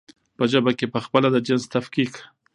په ژبه کې پخپله د جنس تفکيک